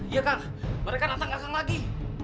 iya kang mereka datang ke akang lagi